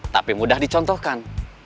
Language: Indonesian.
tapi mudah dicontohkan